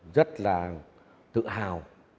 rất là tự hào